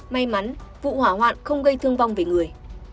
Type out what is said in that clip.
may mắn vụ hỏa hoạn không gây thương vong về người